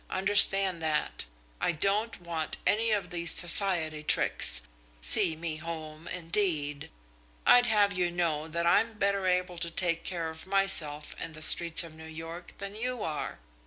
Understand that. I don't want any of these Society tricks. See me home, indeed! I'd have you know that I'm better able to take care of myself in the streets of New York than you are.